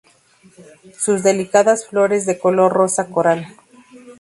Sus delicadas flores de color rosa coral.